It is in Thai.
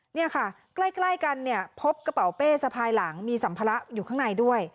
เนี่ยค่ะใกล้กันเนี่ยพบกระเป๋าเป้สะพายหลังมีสัมภาระอยู่ข้างในด้วย